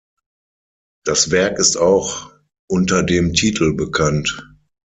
Das Werk ist auch unter dem Titel: bekannt.